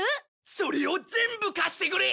それを全部貸してくれ！